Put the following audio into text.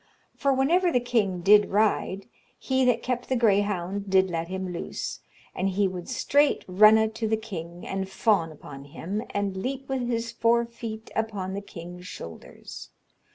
For whenever the kynge did ryde, he that kept the grayhounde did let him lose, and he wolde streyght runne to the kynge and fawne upon him, and leape with his fore fete upon the kynge's shoulders.